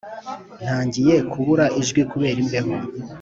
ntangiye kubura ijwi kubera imbeho